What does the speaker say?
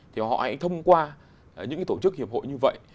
thì họ hãy thông qua những tổ chức hiệp hội như vậy